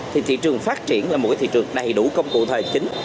thị trường phát triển là một thị trường đầy đủ công cụ tài chính